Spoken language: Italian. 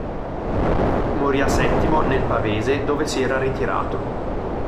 Morì a Settimo, nel pavese, dove si era ritirato.